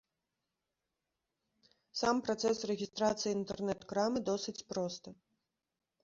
Сам працэс рэгістрацыі інтэрнэт-крамы досыць просты.